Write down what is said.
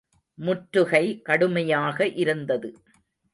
முற்றுகை கடுமையாக இருந்தது.